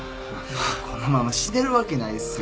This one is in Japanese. このまま死ねるわけないですよ。